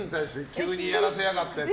急にやらせやがって？